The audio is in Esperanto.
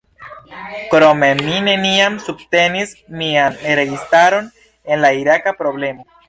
Krome, mi neniam subtenis mian registaron en la iraka problemo.